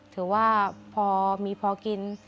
ถือว่าพอมีพอกิน